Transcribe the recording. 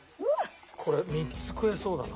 これ３つ食えそうだな。